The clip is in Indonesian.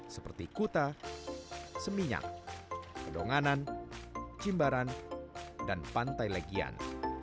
seperti kuta seminyak pedonganan cimbaran dan pantai legian